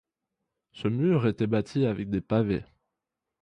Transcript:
Ce mur était bâti avec des pavés.